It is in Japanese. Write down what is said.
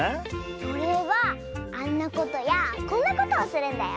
それはあんなことやこんなことをするんだよ。